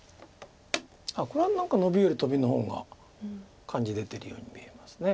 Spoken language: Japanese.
これは何かノビよりトビの方が感じ出てるように見えます。